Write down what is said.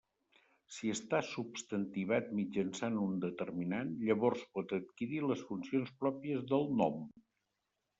Si està substantivat mitjançant un determinant, llavors pot adquirir les funcions pròpies del nom.